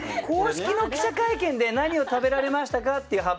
公式記者会見で何食べられましたか？って発表。